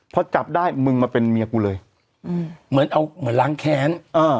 พอจับได้มึงมาเป็นเมียกูเลยเหมือนเอาเหมือนล้างแค้น